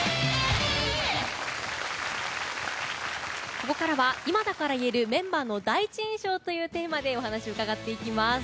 ここからは今だから言えるメンバーの第一印象というテーマでお話を伺っていきます。